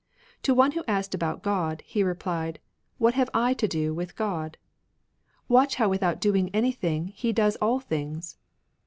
To one who asked about God, he replied, " What have I to do with God ? Watch how without do ing anything He does all things."